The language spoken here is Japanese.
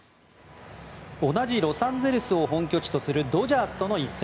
同じロサンゼルスを本拠地とするドジャースとの一戦。